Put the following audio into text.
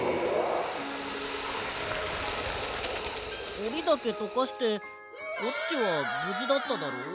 おりだけとかしてコッチはぶじだっただろ？